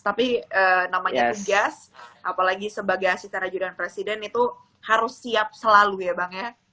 tapi namanya tegas apalagi sebagai asisten ajudan presiden itu harus siap selalu ya bang ya